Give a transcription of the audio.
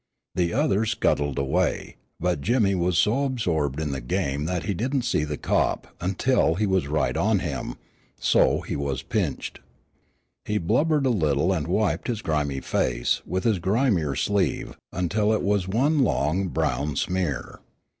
The others scuttled away, but Jimmy was so absorbed in the game that he didn't see the "cop" until he was right on him, so he was "pinched." He blubbered a little and wiped his grimy face with his grimier sleeve until it was one long, brown smear.